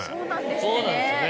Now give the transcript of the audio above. そうなんですってね。